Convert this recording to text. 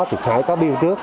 thì phải có biêu trước